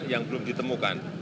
dan kemudian di satu